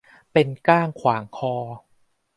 เป็นก้างขวางคอ